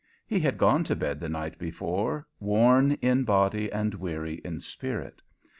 He had gone to bed the night before worn in body and weary in spirit.